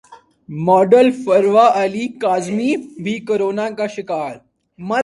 model Farwa Ali Kazmi بھی corona کا شکار